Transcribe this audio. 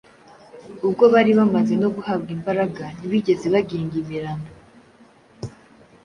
Ubwo bari bamaze no guhabwa imbaraga ntibigeze bagingimiranya